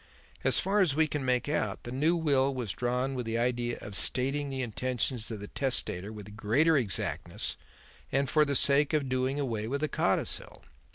As far as we can make out, the new will was drawn with the idea of stating the intentions of the testator with greater exactness and for the sake of doing away with the codicil.